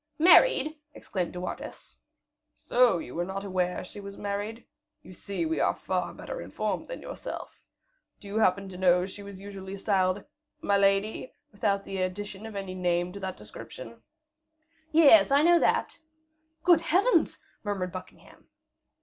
"Married?" exclaimed De Wardes. "So, you were not aware she was married? You see we are far better informed than yourself. Do you happen to know she was usually styled 'My Lady,' without the addition of any name to that description?" "Yes, I know that." "Good Heavens!" murmured Buckingham.